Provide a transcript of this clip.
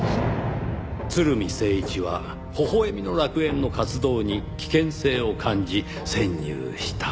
征一は微笑みの楽園の活動に危険性を感じ潜入した。